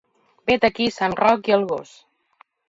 Vet aquí sant Roc i el gos.